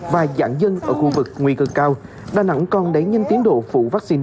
và giãn dân ở khu vực nguy cơ cao đà nẵng còn đánh nhanh tiến độ phụ vaccine